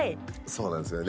そうなんですよね。